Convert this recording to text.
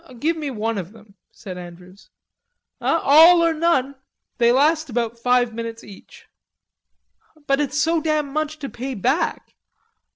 "Give me one of them," said Andrews. "All or none.... They last about five minutes each." "But it's so damn much to pay back."